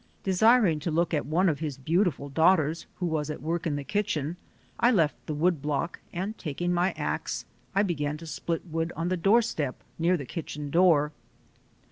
Desiring to look at one of his beautiful daughters who was at work in the kitchen, I left the wood block and taking my ax, I began to split wood on the doorstep, near the kitchen door.